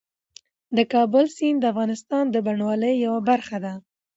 د کابل سیند د افغانستان د بڼوالۍ یوه برخه ده.